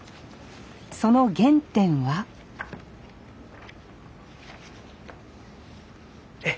その原点はええ。